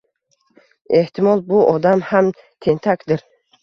«Ehtimol, bu odam ham tentakdir.